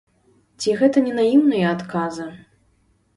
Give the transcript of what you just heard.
Ці гэта не наіўныя адказы?